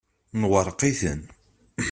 Nwerreq-iten.